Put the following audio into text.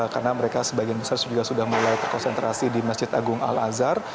karena mereka sebagian besar sudah mulai berkonsentrasi di masjid agung al azhar